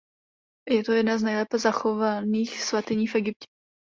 Je to jedna z nejlépe zachovaných svatyní v Egyptě.